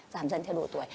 giảm dần theo độ tuổi